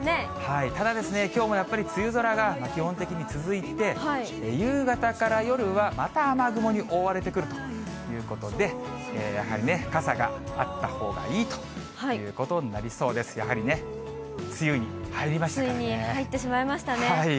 ただ、きょうもやっぱり梅雨空が基本的に続いて、夕方から夜は、また雨雲に覆われてくるということで、やはりね、傘があったほうがいいということになりそうです、やはりね、ついに入ってしまいましたね。